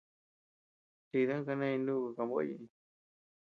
Chidan kaneñ nuku kambo ñeʼeñ.